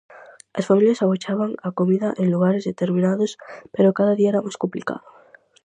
As familias agochaban a comida en lugares determinados, pero cada día era máis complicado.